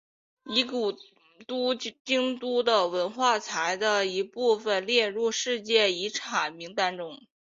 以古都京都的文化财的一部份列入世界遗产名单中。